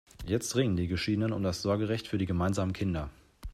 Jetzt ringen die Geschiedenen um das Sorgerecht für die gemeinsamen Kinder.